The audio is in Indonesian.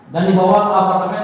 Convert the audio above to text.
dan dibawa ke apartemen